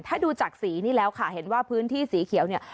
ถ้าดูจากสีนี่แล้วค่ะเห็นว่าพื้นที่สีเขียวเนี่ย